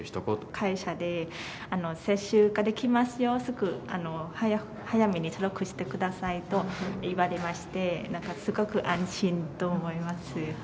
会社で接種ができますよ、すぐ早めに登録してくださいと言われまして、なんかすごく安心と思います。